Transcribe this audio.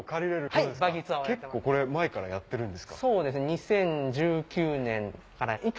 結構前からやってるんですか？